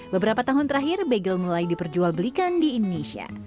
beberapa tahun terakhir bagel mulai diperjual belikan di indonesia